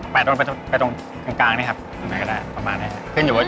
แปะตรงแปะตรงแปะตรงตรงกลางตรงนี้ครับ